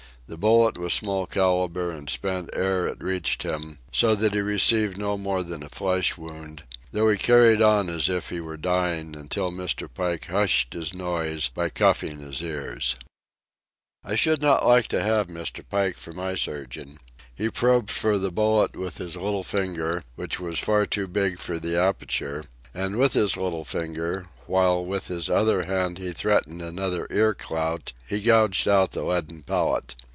The bullet was small calibre and spent ere it reached him, so that he received no more than a flesh wound, though he carried on as if he were dying until Mr. Pike hushed his noise by cuffing his ears. I should not like to have Mr. Pike for my surgeon. He probed for the bullet with his little finger, which was far too big for the aperture; and with his little finger, while with his other hand he threatened another ear clout, he gouged out the leaden pellet.